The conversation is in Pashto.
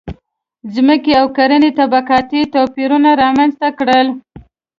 • ځمکې او کرنې طبقاتي توپیرونه رامنځته کړل.